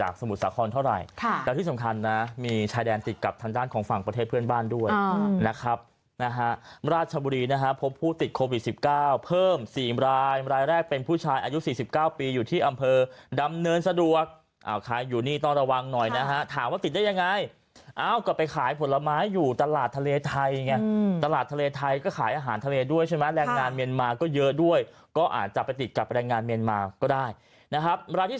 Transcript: โควิดสิบเก้าเพิ่มสี่รายรายแรกเป็นผู้ชายอายุสี่สิบเก้าปีอยู่ที่อำเภอดำเนินสะดวกอ่าวใครอยู่นี่ต้องระวังหน่อยนะฮะถามว่าติดได้ยังไงอ้าวก็ไปขายผลไม้อยู่ตลาดทะเลไทยไงอืมตลาดทะเลไทยก็ขายอาหารทะเลด้วยใช่ไหมค่ะแรงงานเมียนมาก็เยอะด้วยก็อ่าจะไปติดกับแรงงานเมียนมาก็ได้นะครับรายที่